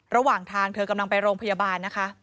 ระหว่างทางเธอกำลังไปโรงพยาบาลนะคะ